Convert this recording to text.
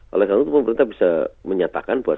oleh karena itu pemerintah bisa menyatakan bahwa